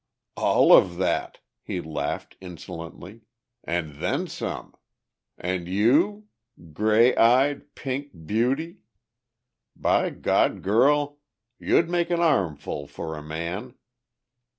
"All of that," he laughed insolently. "And then some. And you? Grey eyed, pink beauty! By God, girl, you'd make an armful for a man!